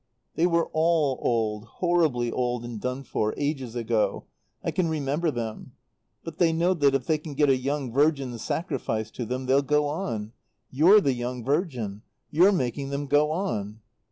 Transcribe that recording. "They were all old, horribly old and done for, ages ago. I can remember them. But they know that if they can get a young virgin sacrificed to them they'll go on. You're the young virgin. You're making them go on."